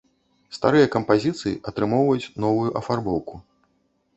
Старыя кампазіцыі атрымоўваюць новую афарбоўку.